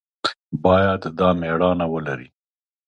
باید دا مېړانه ولري.